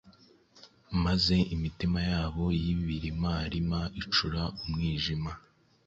maze imitima yabo y’ibirimarima icura umwijima.